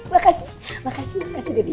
makasih makasih udah diizinin